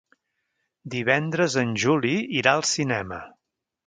Divendres en Juli irà al cinema.